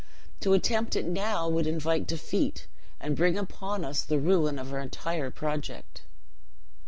To attempt it now would invite defeat, and bring upon us the ruin of our entire project."